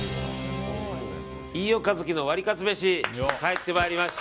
飯尾和樹のワリカツめし。